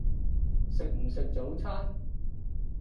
食唔食早餐？